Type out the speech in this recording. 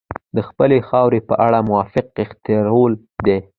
د خپلې خاورې په اړه موقف اختیارول دي.